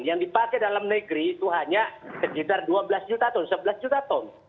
yang dipakai dalam negeri itu hanya sekitar dua belas juta ton sebelas juta ton